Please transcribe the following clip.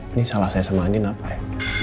ini salah saya sama andin apa ya